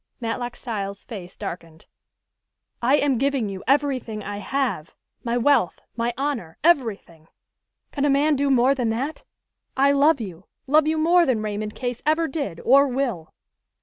Matlock Styles' face darkened. "I am giving you everything I have, my wealth, my honor, everything! Can a man do more than that? I love you love you more than Raymond Case ever did, or will."